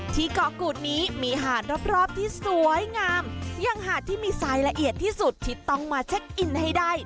ที่เกาะกูดนี้มีหาดรอบที่สวยงามยังหาดที่มีสายละเอียดที่สุดที่ต้องมาเช็คอินให้ได้